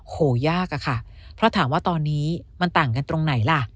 โหยากอะค่ะเพราะถามว่าตอนนี้มันต่างกันตรงไหนล่ะ